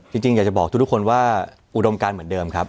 จริงอยากจะบอกทุกคนว่าอุดมการเหมือนเดิมครับ